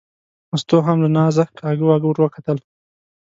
مستو هم له نازه کاږه واږه ور وکتل.